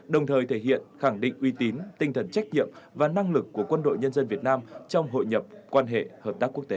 đồng thời thể hiện khẳng định uy tín tinh thần trách nhiệm và năng lực của quân đội nhân dân việt nam trong hội nhập quan hệ hợp tác quốc tế